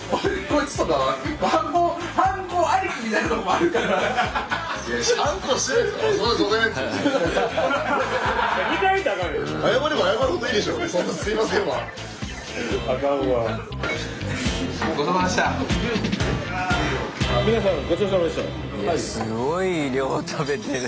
いやすごい量食べてる。